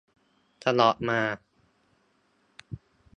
ตลอดมา